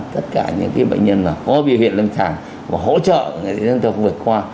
tất cả những cái bệnh nhân mà có bệnh viện lâm sản và hỗ trợ người dân tộc vật khoa